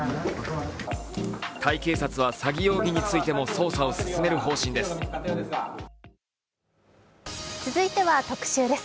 タイ警察は詐欺容疑についても捜査を進める方針です。